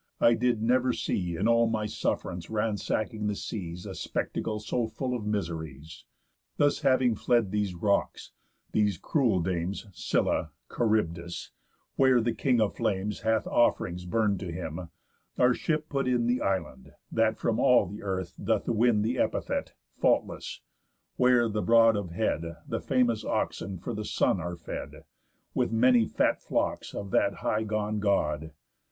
I did never see, In all my suff'rance ransacking the seas, A spectacle so full of miseries. Thus having fled these rocks (these cruel dames Scylla, Charybdis) where the King of flames Hath off'rings burn'd to him, our ship put in The island that from all the earth doth win The epithet Faultless, where the broad of head And famous oxen for the Sun are fed, With many fat flocks of that high gone God.